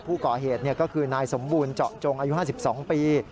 ผู้ก่อเหตุก็คือนายสมบูรณ์เจาะจงอายุ๕๒ปี